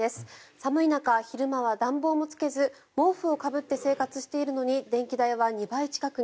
寒い中、昼間は暖房もつけず毛布をかぶって生活をしているのに電気代は２倍近くに。